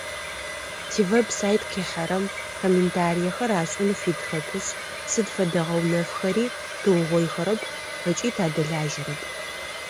Тивеб-сайт къихьэрэм комментариехэр ашӏын фитхэпышъ, сыд фэдэ гъэунэфхэри тыугъоихэрэп ыкӏи тадэлажьэрэп.